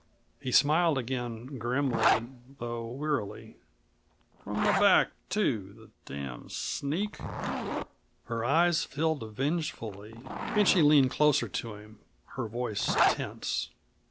He smiled again grimly, though wearily. "From the back too. The damned sneak!" Her eyes filled vengefully, and she leaned closer to him, her voice tense.